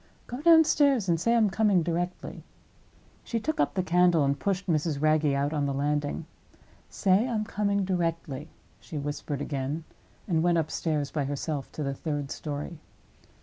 Go downstairs and say I am coming directly." She took up the candle and pushed Mrs. Wragge out on the landing. "Say I am coming directly," she whispered again—and went upstairs by herself to the third story.